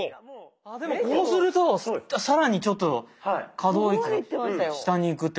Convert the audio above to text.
でもこうすると更にちょっと可動域が下にいくって感じが。